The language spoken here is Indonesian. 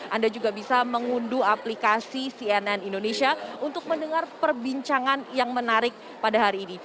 anda juga bisa mengunduh aplikasi cnn indonesia untuk mendengar perbincangan yang menarik pada hari ini